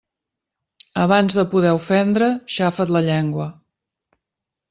Abans de poder ofendre, xafa't la llengua.